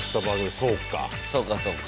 そうかそうか。